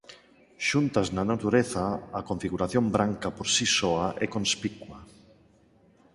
Xuntas na natureza a configuración branca por si soa é conspicua.